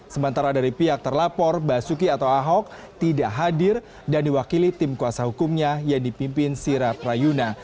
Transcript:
sementara dari pihak terlapor basuki atau ahok tidak hadir dan diwakili tim kuasa hukumnya yang dipimpin sira prayuna